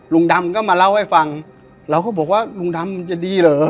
ลุงดำก็มาเล่าให้ฟังเราก็บอกว่าลุงดำจะดีเหรอ